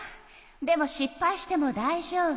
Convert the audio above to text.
でも失敗してもだいじょうぶ。